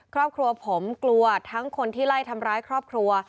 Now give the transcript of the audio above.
ครอบครัวผมกลัวทั้งคนที่ไล่ทำร้ายครอบครัว